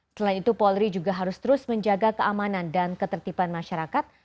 selain itu polri juga harus terus menjaga keamanan dan ketertiban masyarakat